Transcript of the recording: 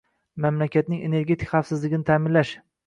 mamlakatning energetika xavfsizligini ta’minlash